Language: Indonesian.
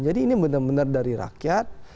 jadi ini benar benar dari rakyat